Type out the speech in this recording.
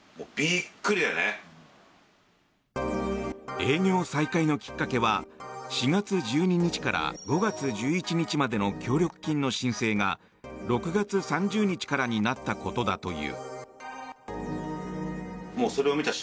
営業再開のきっかけは４月１２日から５月１１日までの協力金の申請が６月３０日からになったことだという。